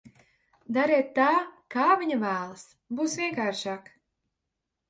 Dariet tā, kā viņa vēlas, būs vienkāršāk.